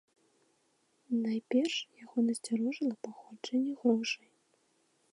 Найперш яго насцярожыла паходжанне грошай.